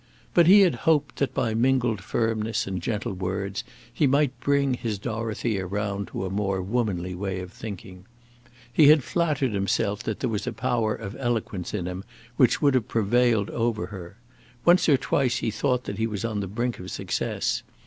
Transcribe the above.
But he had hoped that by mingled firmness and gentle words he might bring his Dorothea round to a more womanly way of thinking. He had flattered himself that there was a power of eloquence in him which would have prevailed over her. Once or twice he thought that he was on the brink of success.